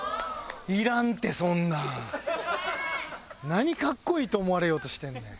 何格好いいと思われようとしてんねん。